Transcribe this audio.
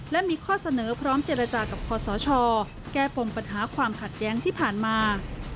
และมีข้อเสนอพร้อมเจรจากับคอสชแก้ปมปัญหาความขัดแย้งที่ผ่านมา